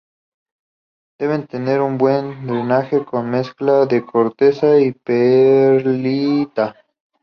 Debe tener un buen drenaje con mezcla de corteza y perlita.